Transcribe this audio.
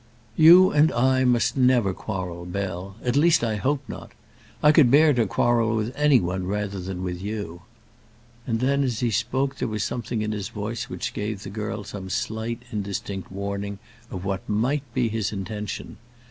"You and I must never quarrel, Bell; at least, I hope not. I could bear to quarrel with any one rather than with you." And then, as he spoke, there was something in his voice which gave the girl some slight, indistinct warning of what might be his intention.